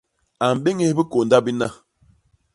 A mbéñés bikônda bina.